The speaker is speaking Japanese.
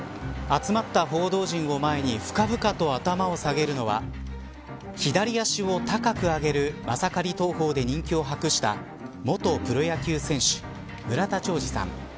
集まった報道陣を前に深々と頭を下げるのは左足を高く上げるマサカリ投法で人気を博した元プロ野球選手村田兆治さん。